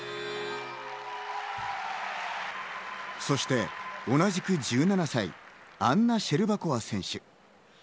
そして同じく１７歳、アンナ・シェルバコワ選手。